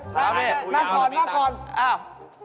นั่งก่อน